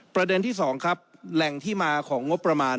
ประเด็นที่๒ครับแหล่งที่มาของงบประมาณ